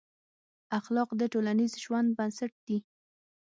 اخلاق د ټولنیز ژوند بنسټ دي.